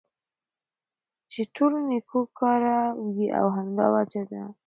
چې ټول نيكو كاره وي او همدا وجه ده